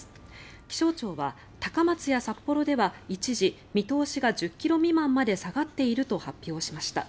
気象庁は高松や札幌では一時、見通しが１０ｋｍ未満まで下がっていると発表しました。